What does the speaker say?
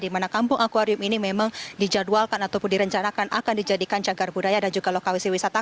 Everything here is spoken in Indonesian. di mana kampung akwarium ini memang dijadwalkan ataupun direncanakan akan dijadikan cagar budaya dan juga lokasi wisata